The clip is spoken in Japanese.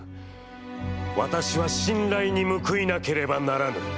私は、信頼に報いなければならぬ。